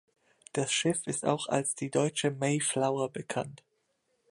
Das Schiff ist auch als die „Deutsche "Mayflower"“ bekannt.